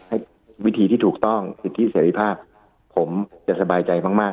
ให้วิธีที่ถูกต้องศิษยภาพผมจะสบายใจมาก